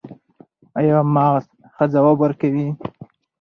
ایا مغز ښه ځواب ورکوي؟